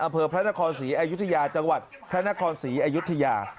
อำเภอพระนครศรีอายุทยาจังหวัดพระนครศรีอยุธยา